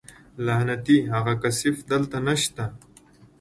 لعنتي اغه کثيف دلته نشته.